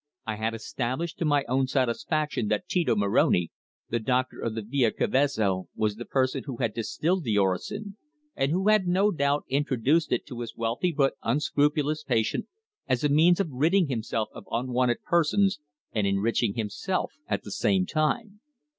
I had established to my own satisfaction that Tito Moroni, the doctor of the Via Cavezzo, was the person who had distilled the orosin, and who had no doubt introduced it to his wealthy but unscrupulous patient as a means of ridding himself of unwanted persons and enriching himself at the same time.